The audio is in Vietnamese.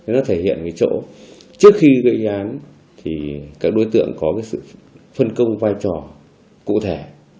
nó thể hiện cái chỗ trước khi gây án thì các đối tượng có cái sự phân công vai trò cụ thể